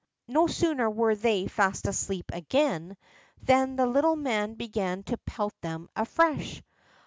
No sooner were they fast asleep again, than the little man began to pelt them afresh.